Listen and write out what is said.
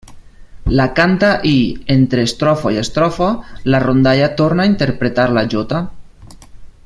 La canta i, entre estrofa i estrofa, la rondalla torna a interpretar la jota.